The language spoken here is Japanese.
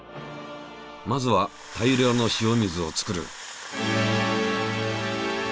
まずは大量の塩水を作る。